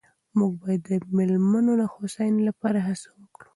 موږ باید د مېلمنو د هوساینې لپاره هڅه وکړو.